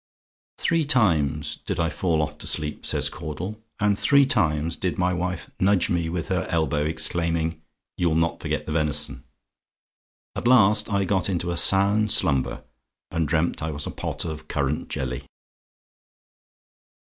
"Three times did I fall off to sleep," says Caudle, "and three times did my wife nudge me with her elbow, exclaiming 'You'll not forget the venison?' At last I got into a sound slumber, and dreamt I was a pot of currant jelly."